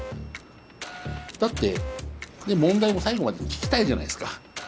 だって問題も最後まで聞きたいじゃないですか。